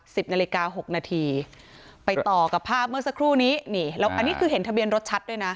นาฬิกาหกนาทีไปต่อกับภาพเมื่อสักครู่นี้นี่แล้วอันนี้คือเห็นทะเบียนรถชัดด้วยนะ